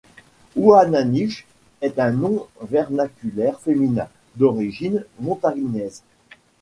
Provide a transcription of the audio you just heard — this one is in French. Ouananiche est un nom vernaculaire féminin, d'origine montagnaise.